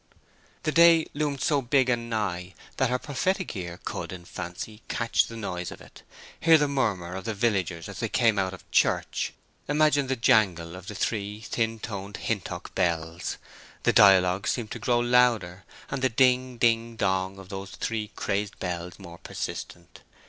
The day loomed so big and nigh that her prophetic ear could, in fancy, catch the noise of it, hear the murmur of the villagers as she came out of church, imagine the jangle of the three thin toned Hintock bells. The dialogues seemed to grow louder, and the ding ding dong of those three crazed bells more persistent.